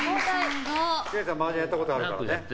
研さん、マージャンやったことあるからね。